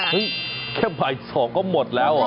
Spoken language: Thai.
แค่บ่าย๒ก็หมดแล้ว